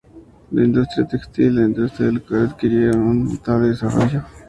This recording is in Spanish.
La industria textil y la industria del cuero adquirieron un notable desarrollo.